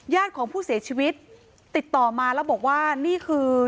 ของผู้เสียชีวิตติดต่อมาแล้วบอกว่านี่คือ